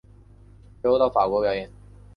之后到法国表演。